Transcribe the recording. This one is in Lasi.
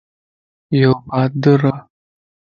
يو بھادرَ